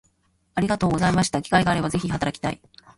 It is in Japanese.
ありがとうございました機会があれば是非働きたい